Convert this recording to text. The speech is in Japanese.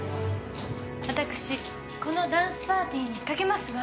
私このダンスパーティーに懸けますわ。